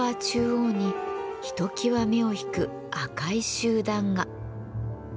中央にひときわ目を引く赤い集団が。